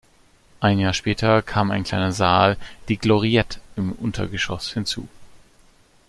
Ein Jahr später kam ein kleiner Saal, die "Gloriette", im Untergeschoss hinzu.